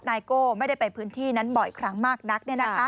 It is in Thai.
นายโก้ไม่ได้ไปพื้นที่นั้นบ่อยครั้งมากนัก